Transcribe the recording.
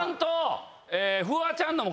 フワちゃんのも？